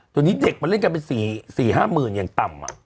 ตอนนี้เด็กมันเรียนกันเป็นสี่ห้าหมื่นอย่างต่ำ